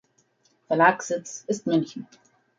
Verlagssitz ist München.